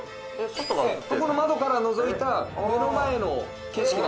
そこの窓からのぞいた目の前の景色なんですが。